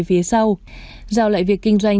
phía sau giao lại việc kinh doanh